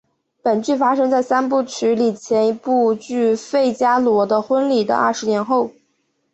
本剧发生在三部曲里前一部剧费加罗的婚礼的二十年后。